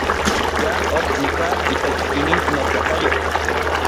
Tla ok nikaj itech inin notlakayo.